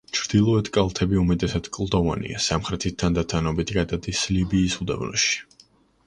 ჩრდილოეთი კალთები უმეტესად კლდოვანია, სამხრეთით თანდათანობით გადადის ლიბიის უდაბნოში.